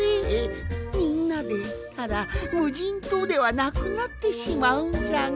みんなでいったらむじんとうではなくなってしまうんじゃが。